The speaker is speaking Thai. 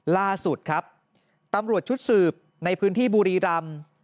ล่าสุดครับตำรวจชุดสืบในพื้นที่บุรีรำ